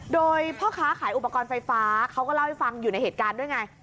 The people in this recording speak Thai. โดยพ่อค้าขายอุปกรณ์ไฟฟ้าเขาก็เล่าให้ฟังอยู่ในเหตุการณ์ด้วยไง